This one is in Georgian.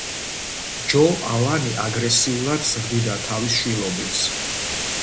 ჯო ალანი აგრესიულად ზრდიდა თავის შვილობილს.